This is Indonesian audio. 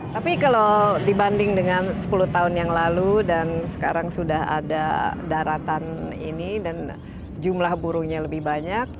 tapi kalau dibanding dengan sepuluh tahun yang lalu dan sekarang sudah ada daratan ini dan jumlah burungnya lebih banyak